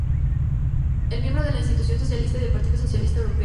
Es miembro de la Internacional Socialista y del Partido Socialista Europeo.